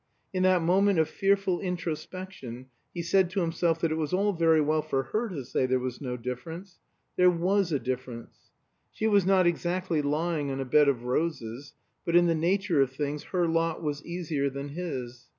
In that moment of fearful introspection he said to himself that it was all very well for her to say there was no difference. There was a difference. She was not exactly lying on a bed of roses; but in the nature of things her lot was easier than his.